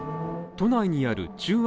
都内にある中和